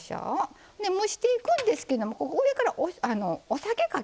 蒸していくんですけども上からお酒かけます。